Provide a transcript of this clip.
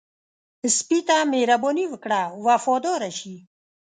سپي ته مهرباني وکړه، وفاداره شي.